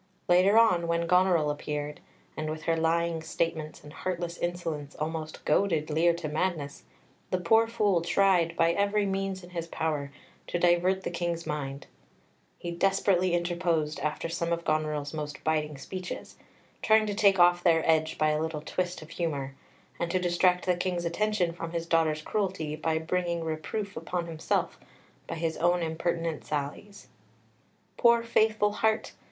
Later on, when Goneril appeared, and with her lying statements and heartless insolence almost goaded Lear to madness, the poor Fool tried, by every means in his power, to divert the King's mind; he desperately interposed after some of Goneril's most biting speeches, trying to take off their edge by a little twist of humour, and to distract the King's attention from his daughter's cruelty by bringing reproof upon himself by his own impertinent sallies. Poor faithful heart!